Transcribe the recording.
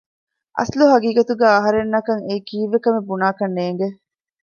އަސްލު ހަގީގަތުގައި އަހަރެންނަކަށް އެއީ ކީއްވެކަމެއް ބުނާކަށް ނޭނގެ